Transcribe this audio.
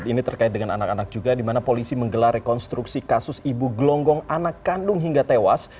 ini terkait dengan anak anak juga di mana polisi menggelar rekonstruksi kasus ibu gelonggong anak kandung hingga tewas